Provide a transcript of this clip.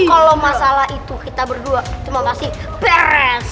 kolo masalah kita berdua cuma masih peres